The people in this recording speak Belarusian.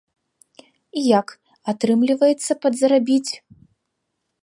І як, атрымліваецца падзарабіць?